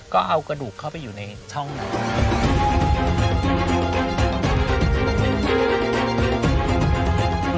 ก็เอากระดูกเข้าไปอยู่ในช่องนั้น